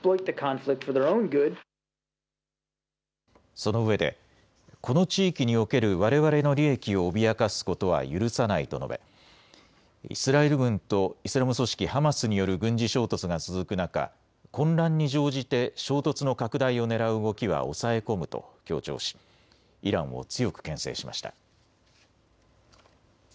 そのうえでこの地域におけるわれわれの利益を脅かすことは許さないと述べ、イスラエル軍とイスラム組織ハマスによる軍事衝突が続く中、混乱に乗じて衝突の拡大をねらう動きは抑え込むと強調しイランを強くけん制しました。